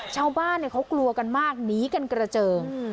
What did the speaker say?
ชาวบ้านเขากลัวกันมากหนีกันกระเจิง